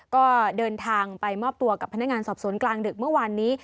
ก็เดินทางไปมอบตัวกับพนักงานสอบสวนกลางดึกเมื่อวานนี้